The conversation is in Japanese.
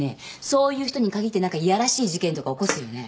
そういう人に限って何かいやらしい事件とか起こすよね。